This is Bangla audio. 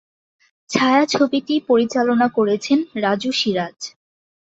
ছায়াছবিটি পরিচালনা করেছেন রাজু সিরাজ।